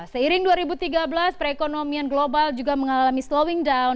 seiring dua ribu tiga belas perekonomian global juga mengalami slowing down